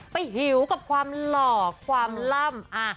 หิวกับความหล่อความล่ำ